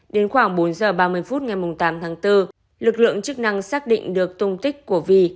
đến khoảng bốn giờ ba mươi phút ngày tám tháng bốn lực lượng chức năng xác định được tung tích của vi